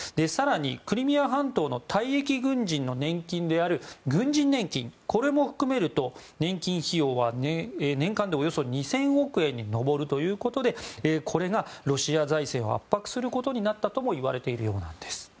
更にクリミア半島の退役軍人の年金である軍人年金も含めると年金費用は年間でおよそ２０００億円に上るということでこれがロシア財政を圧迫することになったともいわれているようなんです。